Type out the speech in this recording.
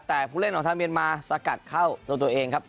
แต่ผู้เล่นของทางเมียนมาสกัดเข้าตัวตัวเองครับ